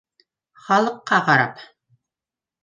Халыҡҡа ҡарап: